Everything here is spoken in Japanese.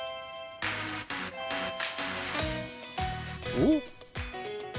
おっ！